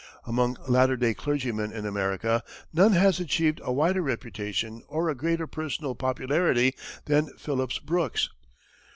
Among latter day clergymen in America, none has achieved a wider reputation or a greater personal popularity than Phillips Brooks.